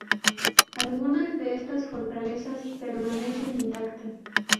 Algunas de estas fortalezas permanecen intactas.